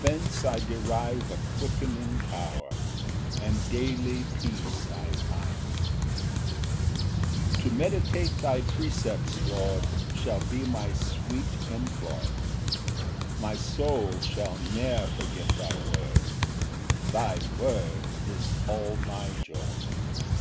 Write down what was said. Thence I derive a quickening power, And daily peace I find. Ver. 15 16. 2 To meditate thy precepts, Lord, Shall be my sweet employ; My soul shall ne'er forget thy word, Thy word is all my joy.